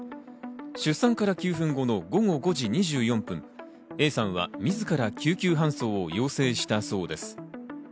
出産から９分後の午後５時２４分、Ａさんは自ら救急搬送を要請したそうです。